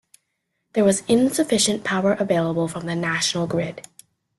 There was insufficient power available from the national grid.